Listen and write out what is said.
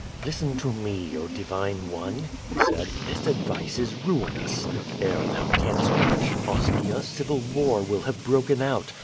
"Listen to me. Oh divine one," he said. "This advice Ls ruinous. Ere thou canst reach Ostia, civil war will have broken out.